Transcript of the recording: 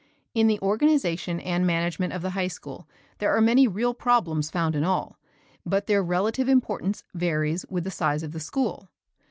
In the organization and management of the high school there are many real problems found in all, but their relative importance varies with the size of the school.